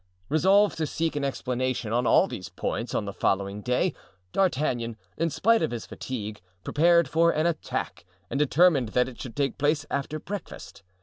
Resolved to seek an explanation on all these points on the following day, D'Artagnan, in spite of his fatigue, prepared for an attack and determined that it should take place after breakfast.